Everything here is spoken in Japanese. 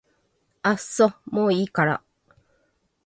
あっそもういいから